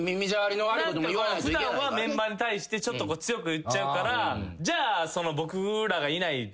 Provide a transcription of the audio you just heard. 普段はメンバーに対して強く言っちゃうからじゃあ。